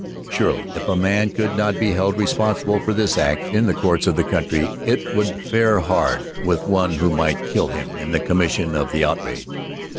Surely if a man could not be held responsible for this act in the courts of the country, it would fare hard with one who might kill him in the commission of the outrage.